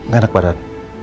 gak enak badan